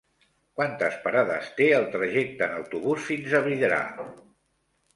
Quantes parades té el trajecte en autobús fins a Vidrà?